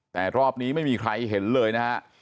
แต่รอบนี้ไม่มีใครเห็นเลยนะฮะ